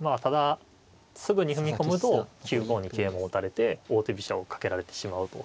まあただすぐに踏み込むと９五に桂馬を打たれて王手飛車をかけられてしまうと。